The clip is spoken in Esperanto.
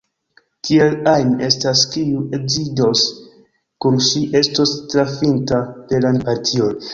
Kiel ajn estas, kiu edziĝos kun ŝi, estos trafinta belan partion.